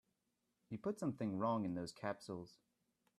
You put something wrong in those capsules.